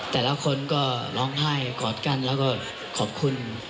แต่ละคนก็ร้องไห้กอดกันแล้วก็ขอบคุณ